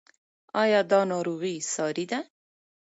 ایا دا ناروغي ساري ده؟